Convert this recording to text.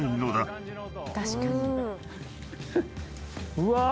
うわ！